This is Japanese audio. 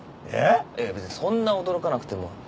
いや別にそんな驚かなくても。